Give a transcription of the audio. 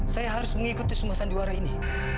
saya harus mengikuti semua sandiwara ini